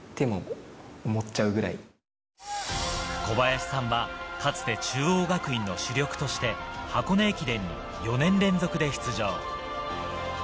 小林さんはかつて中央学院の主力として、箱根駅伝に４年連続で出場。